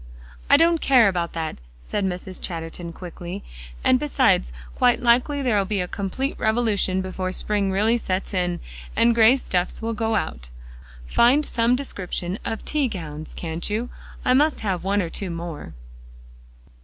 "I don't care about that," said Mrs. Chatterton quickly, "and besides, quite likely there'll be a complete revolution before spring really sets in, and gray stuffs will go out. Find some description of tea gowns, can't you? I must have one or two more."